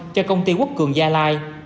cho công ty quốc cường gia lai